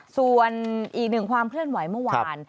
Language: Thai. ส่วนอีกหนึ่งความเคลื่อนไหวเมื่อวาน